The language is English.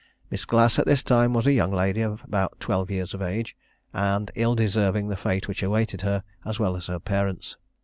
Miss Glass at this time was a young lady about twelve years of age, and ill deserving the fate which awaited her, as well as her parents.